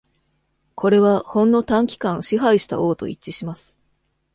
これは、ほんの短期間支配した王と一致します。